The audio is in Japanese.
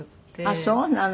あっそうなの。